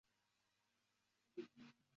卒于官。